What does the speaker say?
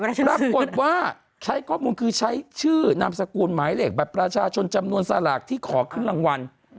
ปรากฏว่าใช้ข้อมูลคือใช้ชื่อนามสกุลหมายเลขบัตรประชาชนจำนวนสลากที่ขอขึ้นรางวัล